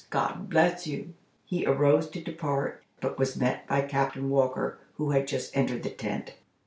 God bless you!" He arose to depart, but was met by Captain Walker, who had just entered the tent.